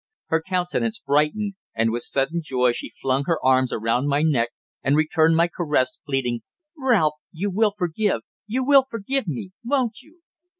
Her countenance brightened, and with sudden joy she flung her arms around my neck and returned my caress, pleading "Ralph! You will forgive you will forgive me, won't you?"